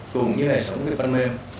cùng như hệ thống phân mêm